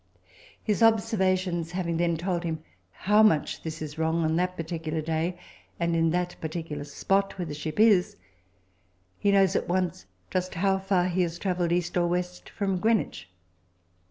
His observations having then told him how much this is wrong on that particular day, and in that particular spot where the ship is, he knows at once just how far he has travelled east or west from Greenwich.